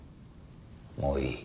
もういい。